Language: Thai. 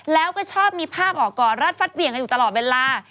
แล้วก็ชอบมีภาพออกก่อนรัดฟัดเหวี่ยงกันอยู่ตลอดเวลา